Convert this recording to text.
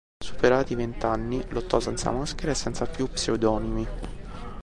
Superati i vent'anni, lottò senza maschera e senza più pseudonimi.